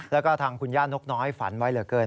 แล้วก็ทางคุณย่านกน้อยฝันไว้เหลือเกิน